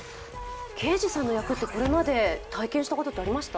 刑事さんの役ってこれまで体験したことありました？